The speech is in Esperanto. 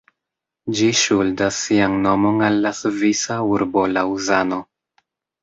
Ĝi ŝuldas sian nomon al la svisa urbo Laŭzano.